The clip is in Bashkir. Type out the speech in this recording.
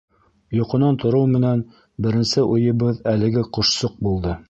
Йоҡонан тороу менән, беренсе уйыбыҙ әлеге ҡошсоҡ булды.